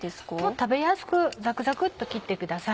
食べやすくザクザクっと切ってください。